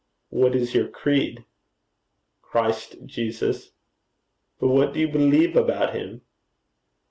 'What is your creed?' 'Christ Jesus.' 'But what do you believe about him?'